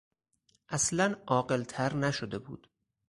اصلا عاقلتر نشده بود.